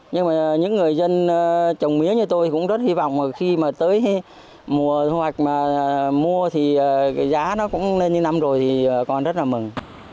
nhưng mà những người dân trồng mía như tôi cũng rất hy vọng mà khi mà tới mùa thu hoạch mà mua thì cái giá nó cũng lên như năm rồi thì còn rất là mừng